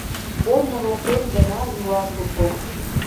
Корно воктен гына юа шуко